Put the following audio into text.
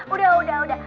udah udah udah